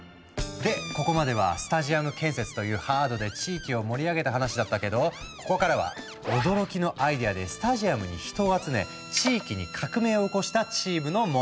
でここまではスタジアム建設というハードで地域を盛り上げた話だったけどここからは驚きのアイデアでスタジアムに人を集め地域に革命を起こしたチームの物語。